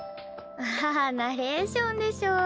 ああナレーションでしょ？